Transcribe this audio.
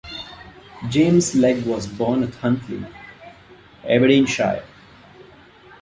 James Legge was born at Huntly, Aberdeenshire.